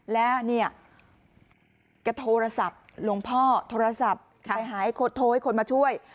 และเนี่ยแกโทรศัพท์หลวงพ่อโทรศัพท์ไปหาโทรให้คนมาช่วย